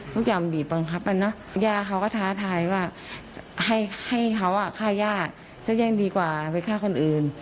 ทุกอย่างบีบบังคับอ่ะเนอะย่าเขาก็ท้าทายว่าให้เขาฆ่าย่าซะแจ้งดีกว่าไปฆ่าคนอื่น